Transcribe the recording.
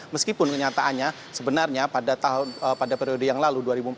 meskipun kenyataannya sebenarnya pada periode yang lalu dua ribu empat belas